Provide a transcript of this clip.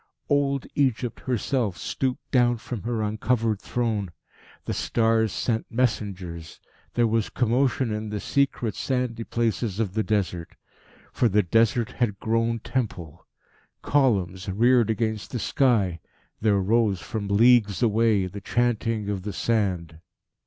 Old Egypt herself stooped down from her uncovered throne. The stars sent messengers. There was commotion in the secret, sandy places of the desert. For the Desert had grown Temple. Columns reared against the sky. There rose, from leagues away, the chanting of the sand.